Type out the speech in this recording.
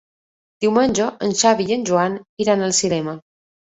Diumenge en Xavi i en Joan iran al cinema.